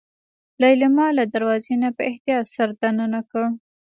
ليلما له دروازې نه په احتياط سر دننه کړ.